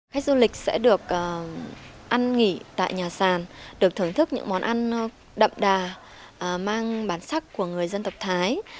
khách du lịch sẽ được ăn nghỉ tại nhà sàn được thưởng thức những món ăn đậm đà mang bản sắc của người dân tộc thái